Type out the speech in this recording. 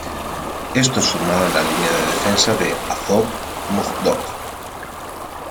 Estos formaron la línea de defensa de Azov-Mozdok.